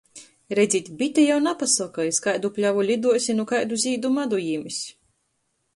Redzit, bite jau napasoka, iz kaidu pļovu liduos i nu kaidu zīdu madu jims.